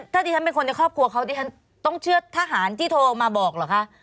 ถ้าดิฉันเป็นคนในครอบครัวเขาดิฉันต้องเชื่อทหารที่โทรมาบอกเหรอคะ